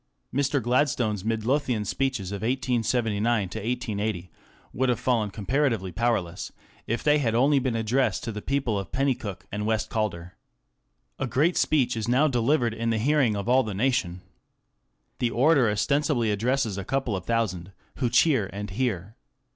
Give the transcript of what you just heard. Mr. Gladstone's Midlothian speeches of 1879 80 would have fallen comparatively powerless if they had only been addressed to the people of Penicuik and West Calder. A great speech is now delivered in the hearing of all the nation. The orator ostensibly addresses a couple of thousand, who cheer and hear.